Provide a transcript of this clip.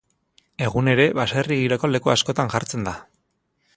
Egun ere, baserri giroko leku askotan jartzen da.